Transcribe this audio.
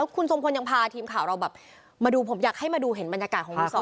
คุณทรงพลยังพาทีมข่าวเราแบบมาดูผมอยากให้มาดูเห็นบรรยากาศของรีสอร์ท